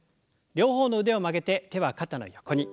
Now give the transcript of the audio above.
両方の腕を曲げて手は肩の横に。